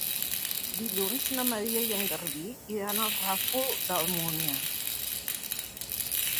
Dilluns na Maria i en Garbí iran al Ràfol d'Almúnia.